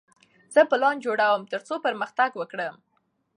زه پلان جوړوم ترڅو پرمختګ وکړم.